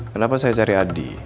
kenapa saya cari adi